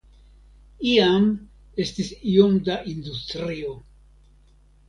Iam estis iom da industrio.